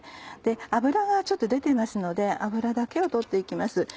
脂がちょっと出てますので脂だけを取っていきます。